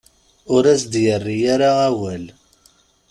Ur as-d-yerri ara awal.